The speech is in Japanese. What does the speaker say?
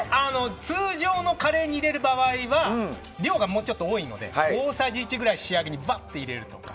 通常のカレーに入れる場合は量がもうちょっと多いので大さじ１ぐらい仕上げに、ばっと入れると。